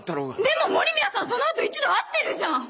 でも森宮さんその後一度会ってるじゃん！